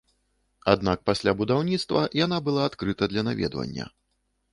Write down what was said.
Аднак пасля будаўніцтва яна была адкрыта для наведвання.